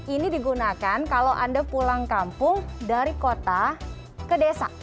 ini digunakan kalau anda pulang kampung dari kota ke desa